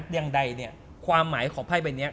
เรื่องใดเนี่ยความหมายของไพ่ใบนี้